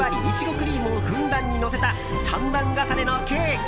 クリームをふんだんにのせた３段重ねのケーキ。